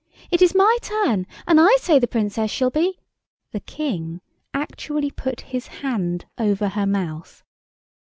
"It is my turn, and I say the Princess shall be——" The King actually put his hand over her mouth.